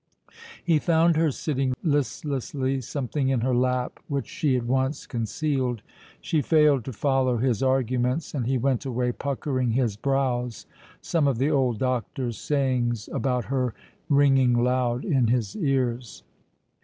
He found her sitting listlessly, something in her lap which she at once concealed. She failed to follow his arguments, and he went away puckering his brows, some of the old doctor's sayings about her ringing loud in his ears.